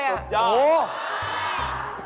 สุดยอด